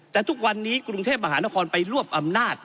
แต่ทุกวันนี้กรุงเทพมหานครไปรวบอำนาจ